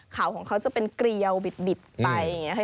เขาของเขาจะเป็นเกรียวบิดไป